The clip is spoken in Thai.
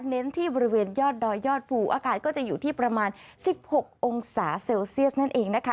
เน้นที่บริเวณยอดดอยยอดภูอากาศก็จะอยู่ที่ประมาณ๑๖องศาเซลเซียสนั่นเองนะคะ